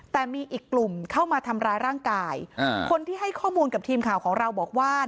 แต่มีอีกกลุ่มเข้ามาทำร้ายร่างกายคนที่ให้ข้อมูลกับทีมข่าวของเราบอกว่า